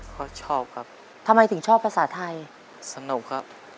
ขอเชิญน้องเทิดมาต่อชีวิตเป็นคนต่อไปครับ